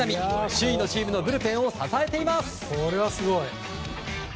首位のチームのブルペンを支えています。